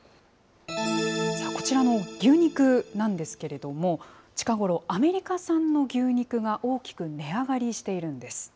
こちらの牛肉なんですけれども、近頃、アメリカ産の牛肉が大きく値上がりしているんです。